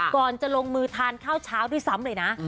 ก่อนจะลงมือทานข้าวเช้าด้วยซ้ำเลยนะ